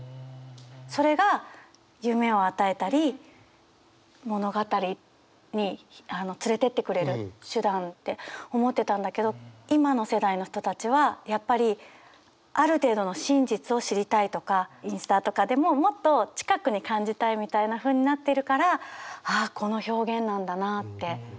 それが夢を与えたり物語に連れてってくれる手段って思ってたんだけど今の世代の人たちはやっぱりある程度の真実を知りたいとかインスタとかでももっと近くに感じたいみたいなふうになっているからああこの表現なんだなって。